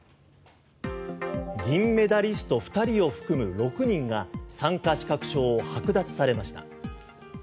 銀メダリスト２人を含む６人が参加資格証をはく奪されました。